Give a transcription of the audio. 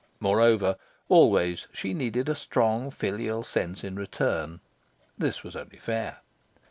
Moreover, always she needed a strong filial sense in return: this was only fair.